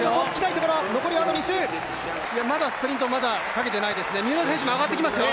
まだスプリントかけてないですね。